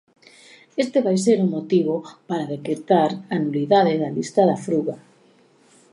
Este vai ser o motivo para decretar a nulidade da lista da Fruga.